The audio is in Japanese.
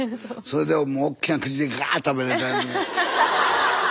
それでおっきな口でガーッ食べて。